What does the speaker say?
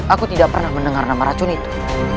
aku tidak pernah mendengar nama racun itu